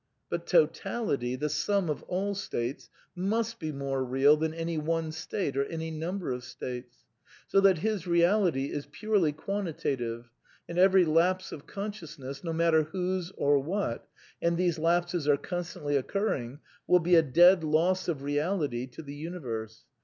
But Totality, the sum of all states, must be more real than any one state or any number of states. So that his Eeality is purely quantitative, and every lapse of consciousness, no matter wiiose or what — and these lapses are constantly occurring — will be a dead loss of reality to the Universe.